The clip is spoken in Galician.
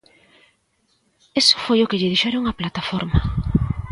Iso foi o que lle dixeron á Plataforma.